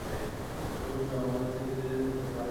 এইসব রহস্যের সমাধান হবে, কিন্তু তিনি জেনে যেতে পারবেন না।